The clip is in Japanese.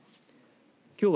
きょうは